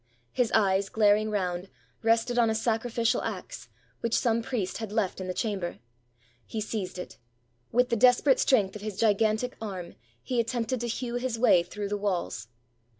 His eyes, glaring round, rested on a sacrificial axe, which some priest had left in the chamber: he seized it. With the desperate strength of his gigantic arm, he attempted to hew his way through the walls.